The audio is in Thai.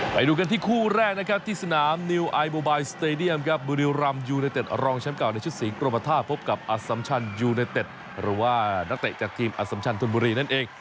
ไปดูกันที่คู่แรกที่สนามนิวไอค์โบไบสเตดียมบริรัมยูเนเต็ดรองช้ำเก่าในชุดสีกลมทาพพบกับอสัมชันยูเนเต็ดหรือว่านักเตะจากทีมอสัมชันทนบุรีนั่นเอง